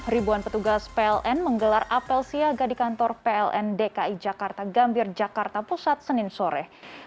ribuan petugas pln menggelar apel siaga di kantor pln dki jakarta gambir jakarta pusat senin sore